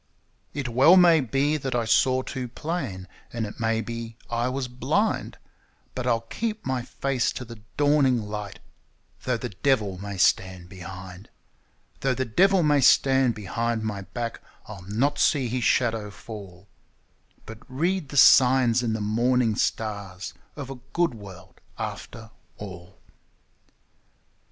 It well may be that I saw too plain, and it may be I was blind; But I'll keep my face to the dawning light, though the devil may stand behind! Though the devil may stand behind my back, I'll not see his shadow fall, But read the signs in the morning stars of a good world after all.